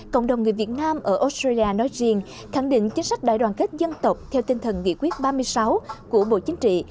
cộng đồng người việt nam ở australia nói riêng khẳng định chính sách đại đoàn kết dân tộc theo tinh thần nghị quyết ba mươi sáu của bộ chính trị